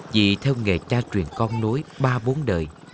chỉ theo nghệ cha truyền con nối ba bốn đời